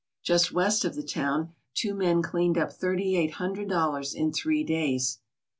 Just west of the town two men cleaned up thirty eight hundred dollars in three days.